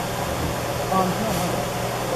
ความเชื่อมั่น